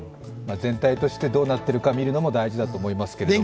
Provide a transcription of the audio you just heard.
全体としてどうなっていのか見るのも大事だと思いますが。